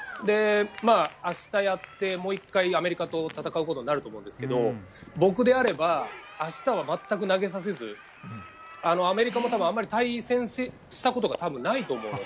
明日やって、もう１回アメリカと戦うことになると思うんですけど僕であれば明日は全く投げさせずアメリカも多分あまり対戦したことがないと思うので。